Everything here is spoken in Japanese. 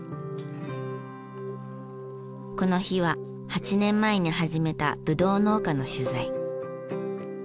この日は８年前に始めたぶどう農家の取材。